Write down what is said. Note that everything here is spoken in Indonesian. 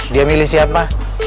dia milih siapa